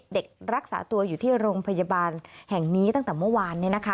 รักษาตัวอยู่ที่โรงพยาบาลแห่งนี้ตั้งแต่เมื่อวาน